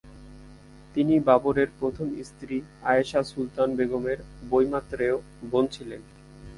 তিনি বাবরের প্রথম স্ত্রী আয়েশা সুলতান বেগমের বৈমাত্রেয় বোন ছিলেন।